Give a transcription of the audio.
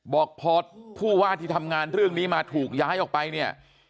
บอกพอผู้ว่าที่ทำงานเรื่องนี้มาถูกย้ายออกไปเนี่ย